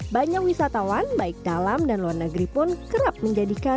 banyak wisatawan baik dalam dan luar negeri pun kerap menjadikan